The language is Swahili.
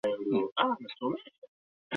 ingia katika dirisha la mipangilio ya redio hiyo